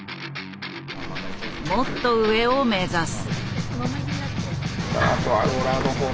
もっと上を目指す。